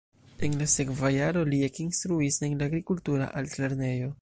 En la sekva jaro li ekinstruis en la agrikultura altlernejo.